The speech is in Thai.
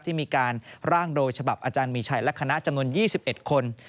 ที่มีการร่างโดยฉบับอาจารย์มีชัยและคณะจำนวน๒๑คน